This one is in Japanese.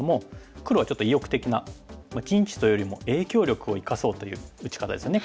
黒はちょっと意欲的な陣地というよりも影響力を生かそうという打ち方ですよね